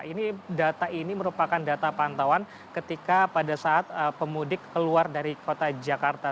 ini data ini merupakan data pantauan ketika pada saat pemudik keluar dari kota jakarta